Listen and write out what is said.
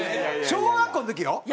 小学校の時よ？